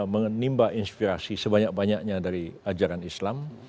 menimba inspirasi sebanyak banyaknya dari ajaran islam